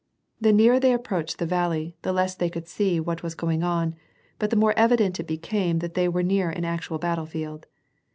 The nearer they approached the valley, the less they could see what was going on, but the more evident it became that they were near an actual battlefield.